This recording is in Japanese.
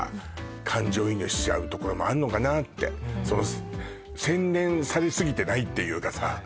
感情移入しちゃうところもあるのかなーって洗練されすぎてないっていうかさ